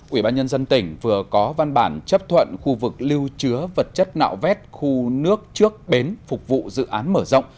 ủy ban nhân dân tỉnh vừa có văn bản chấp thuận khu vực lưu chứa vật chất nạo vét khu nước trước bến phục vụ dự án mở rộng